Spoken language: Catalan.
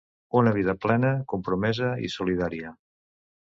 Una vida plena, compromesa i solidària.